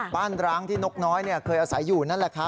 ร้างที่นกน้อยเคยอาศัยอยู่นั่นแหละครับ